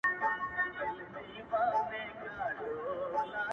ډېوې پوري؛